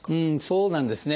そうなんですね。